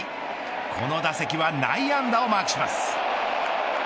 この打席は内野安打をマークします。